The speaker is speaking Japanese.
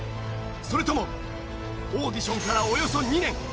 それともオーディションからおよそ２年。